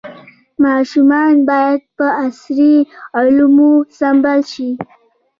ماشومان باید په عصري علومو سمبال شي.